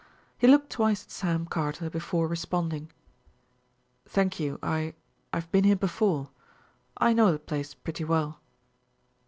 He looked twice at Sam Carter before responding. "Thank you, I I've been here before. I know the place pretty well."